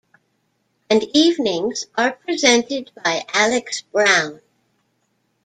And evenings are presented by Alex Brown.